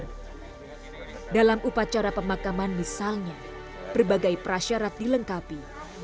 dalam upacara pemakaman misalnya berbagai prasyarat dilengkapi